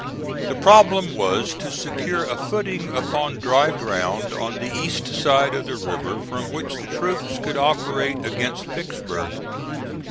The problem was to secure a footing upon dry ground on the east side of the river from which the troops could operate against Vicksburg.